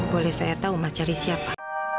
boleh saya tahu mas cari siapa